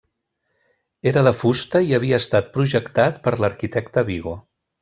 Era de fusta i havia estat projectat per l'arquitecte Vigo.